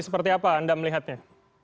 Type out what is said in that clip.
seperti apa anda melihatnya